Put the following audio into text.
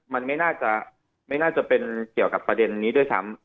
มันไม่น่าจะไม่น่าจะเป็นเกี่ยวกับประเด็นนี้ด้วยซ้ำ